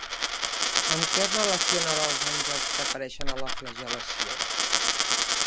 Amb què es relacionen els àngels que apareixen a la flagel·lació?